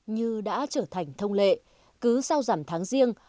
như đã trở thành thông lệ cứ sau giảm tháng riêng